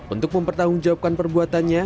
untuk mempertanggungjawabkan perbuatannya